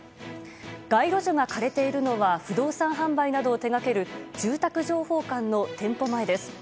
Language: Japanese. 街路樹が枯れているのは不動産販売などを手掛ける住宅情報館の店舗前です。